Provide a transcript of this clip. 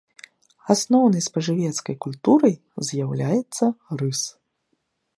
Асноўнай спажывецкай культурай з'яўляецца рыс.